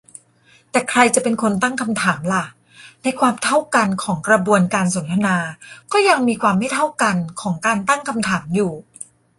แต่ใครจะเป็นคนตั้งคำถามล่ะ ? ในความเท่ากันของกระบวนการสนทนา ก็ยังมีความไม่เท่ากันของการตั้งคำถามอยู่